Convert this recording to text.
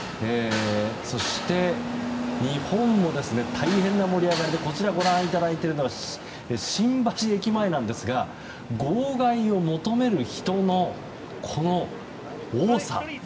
そして日本も大変な盛り上がりでご覧いただいているのは新橋駅前なんですが号外を求める人の多さ。